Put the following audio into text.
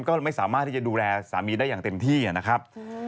ก็ไม่สามารถที่จะดูแลสามีได้อย่างเต็มที่นะครับ